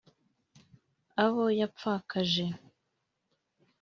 Abo yapfakaje